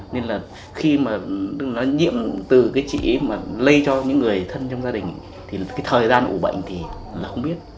nên là khi mà nó nhiễm từ cái chị mà lây cho những người thân trong gia đình thì cái thời gian ủ bệnh thì là không biết